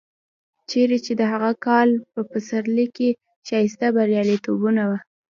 چېرې چې د هغه کال په پسرلي کې ښایسته بریالیتوبونه و.